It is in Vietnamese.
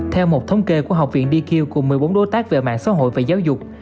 theo một thống kê của học viện deq cùng một mươi bốn đối tác về mạng xã hội và giáo dục